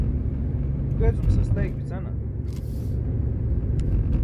guke cum sastayik bicana?